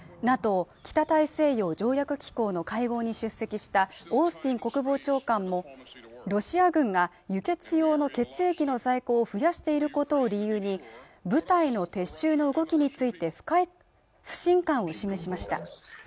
ＮＡＴＯ＝北大西洋条約機構の会合に出席したオースティン国防長官もロシア軍が輸血用の血液の再興を増やしていることを理由に部隊の撤収の動きについて不信感を示しました